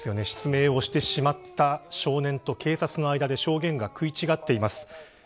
失明をしてしまった少年と警察の間で証言が食い違っています。